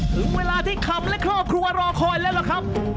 ถึงเวลาที่คำและครอบครัวรอคอยแล้วล่ะครับ